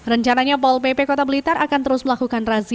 rencananya pol pp kota blitar akan terus melakukan razia